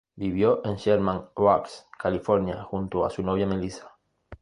Vivió en Sherman Oaks, California, junto a su novia, Melissa.